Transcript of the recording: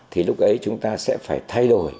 thì lúc ấy chúng ta sẽ phải thay đổi